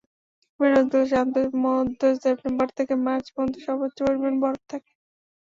মেরু অঞ্চলে সাধারণত মধ্য সেপ্টেম্বর থেকে মার্চ পর্যন্ত সর্বোচ্চ পরিমাণে বরফ থাকে।